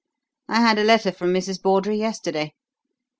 I had a letter from Mrs. Bawdrey yesterday.